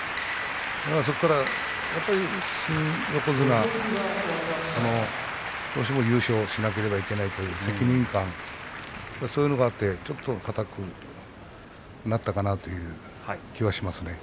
そこから、やっぱり新横綱のどうしても、優勝しなければいけないという責任感そういうのがあって硬くなったかなという気はしますね。